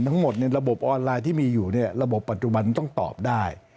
ทั้งหมดในระบบออนไลน์ที่มีอยู่ระบบปัจจุบันต้องตอบได้